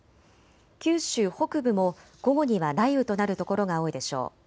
九州北部も午後には雷雨となる所が多いでしょう。